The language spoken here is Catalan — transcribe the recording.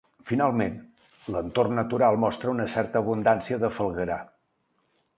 Finalment, l'entorn natural mostra una certa abundància de falguerar.